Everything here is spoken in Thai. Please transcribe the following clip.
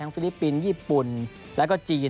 ฟิลิปปินส์ญี่ปุ่นแล้วก็จีน